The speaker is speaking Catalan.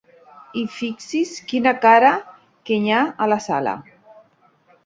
I fixi's quina cara que hi ha a la sala!